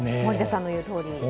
森田さんの言うとおり。